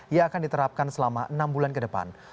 yang akan diterapkan selama enam bulan ke depan